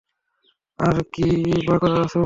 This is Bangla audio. আর কীইবা করার আছে বলো?